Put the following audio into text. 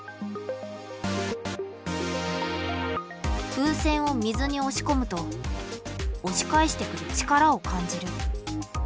風船を水におしこむとおし返してくる力を感じる。